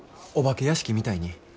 お化け屋敷みたいに。